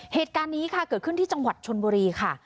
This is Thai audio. เหตุการณ์นี้ค่ะเกิดขึ้นที่จังหวัดชนบุรีค่ะ